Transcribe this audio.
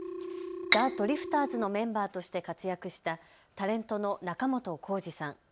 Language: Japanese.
ザ・ドリフターズのメンバーとして活躍したタレントの仲本工事さん。